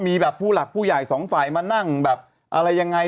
มีแบบผู้หลักผู้ใหญ่สองฝ่ายมานั่งแบบอะไรยังไง